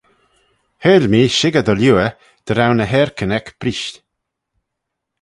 Heill mee shickyr dy liooar dy row ny eairkyn eck brisht.